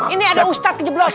ini ada ustadz kejeblos